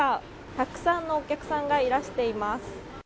たくさんのお客さんがいらしています。